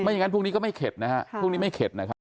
ไม่อย่างงั้นพรุ่งนี้ก็ไม่เข็ดนะครับ